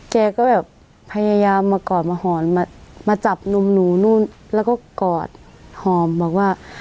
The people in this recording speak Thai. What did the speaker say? แกก็แบบพยายามมากอดมาหอนมาจับนุ่มหนูนู่นแล้วก็กอดหอมบอกว่า